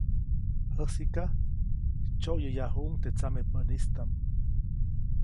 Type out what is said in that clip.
Jäsiʼka, tsyoʼyäyajuʼuŋ teʼ tsamepäʼistam.